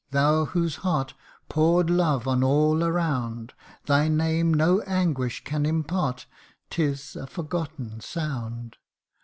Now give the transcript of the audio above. thou whose heart Pour'd love on all around. Thy name no anguish can impart 'Tis a forgotten sound.